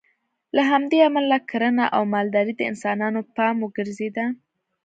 له همدې امله کرنه او مالداري د انسانانو پام وګرځېد